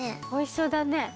おおいしそうだね。